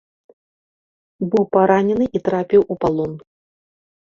Быў паранены і трапіў у палон.